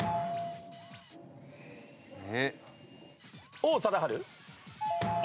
王貞治？